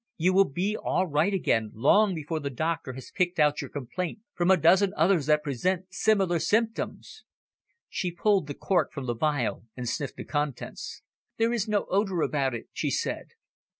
"You will be all right again long before the doctor has picked out your complaint from a dozen others that present similar symptoms." She pulled the cork from the phial, and sniffed the contents. "There is no odour about it," she said.